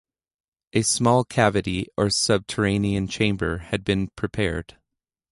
A small cavity or subterranean chamber had been prepared.